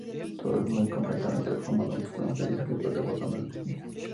Todos dos muy complementarios, formando un feliz equipo desbordando energía.